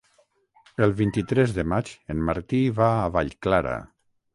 El vint-i-tres de maig en Martí va a Vallclara.